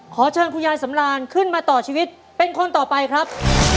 ขอเชิญคุณยายสำรานขึ้นมาต่อชีวิตเป็นคนต่อไปครับ